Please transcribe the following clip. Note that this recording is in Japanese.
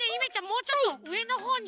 もうちょっとうえのほうに。